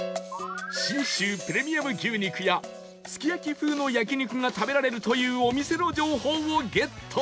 信州プレミアム牛肉やすき焼風の焼肉が食べられるというお店の情報をゲット